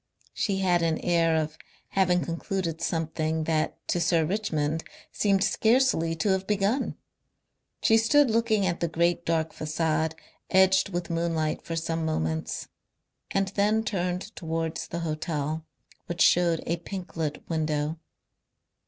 She had an air of having concluded something that to Sir Richmond seemed scarcely to have begun. She stood looking at the great dark facade edged with moonlight for some moments, and then turned towards the hotel, which showed a pink lit window.